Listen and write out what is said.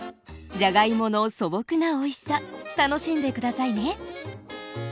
じゃがいもの素朴なおいしさ楽しんで下さいね。